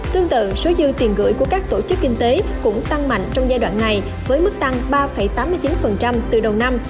tương tự số dư tiền gửi của các tổ chức kinh tế cũng tăng mạnh trong giai đoạn này với mức tăng ba tám mươi chín từ đầu năm